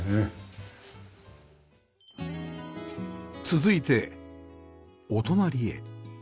続いてお隣へ